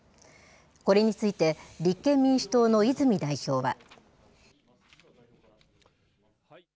これについて、立憲民主党の泉代表は。